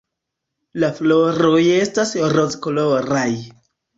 La floroj estas rozkoloraj.